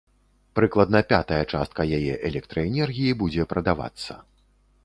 Прыкладна пятая частка яе электраэнергіі будзе прадавацца.